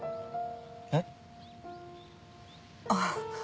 えっ？あっ。